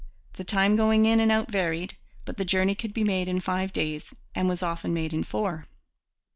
The time going in and out varied; but the journey could be made in five days and was often made in four.